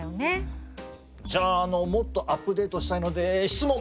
じゃあもっとアップデートしたいので質問！